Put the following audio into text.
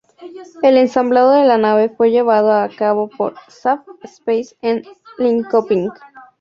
El ensamblado de la nave fue llevado a cabo por Saab Space en Linköping.